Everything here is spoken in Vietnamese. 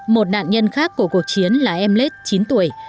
một nạn nhân khác của cuộc chiến là em lết chín tuổi